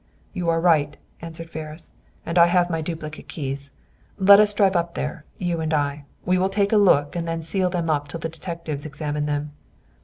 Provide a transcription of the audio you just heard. "You are right," answered Ferris, "and I have my duplicate keys. Let us drive up there, you and I; we will take a look and then seal them up till the detectives examine them.